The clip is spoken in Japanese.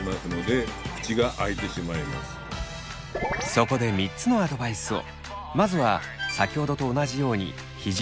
そこで３つのアドバイスを。